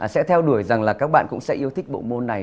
sẽ theo đuổi rằng là các bạn cũng sẽ yêu thích bộ môn này